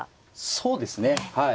そうですねはい。